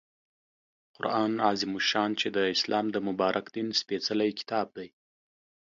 قرآن عظیم الشان چې د اسلام د مبارک دین سپیڅلی کتاب دی